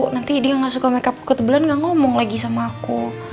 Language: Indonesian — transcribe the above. nanti dia ga suka makeup ku ketebalan ga ngomong lagi sama aku